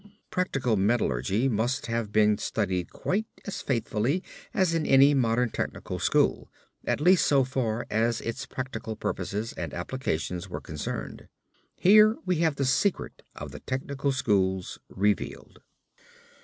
Practical metallurgy must have been studied quite as faithfully as in any modern technical school, at least so far as its practical purposes and application were concerned. Here we have the secret of the technical schools revealed.